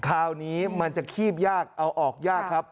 คราวนี้มันจะคีบยากเอาออกยากครับ